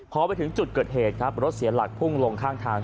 พอไปถึงจุดเกิดเหตุครับรถเสียหลักพุ่งลงข้างทาง